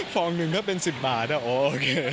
ฟองหนึ่งถ้าเป็นสิบบาทโอเค